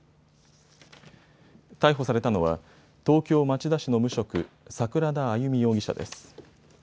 逮捕されたのは東京町田市の無職、櫻田歩容疑者です。